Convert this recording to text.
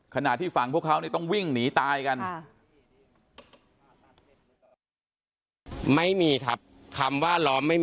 ขณะที่ฝั่งพวกเขาต้องวิ่งหนีตายกัน